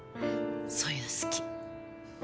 そういうの好き。